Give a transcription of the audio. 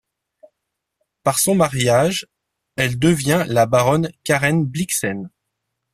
Par son mariage, elle devient la baronne Karen Blixen.